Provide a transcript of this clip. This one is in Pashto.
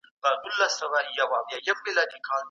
زما د وطــن پيـــغـــــلو خو